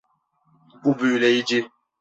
Bu büyüleyici.